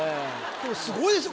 でもすごいですよ